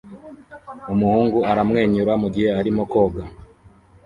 Umuhungu aramwenyura mugihe arimo koga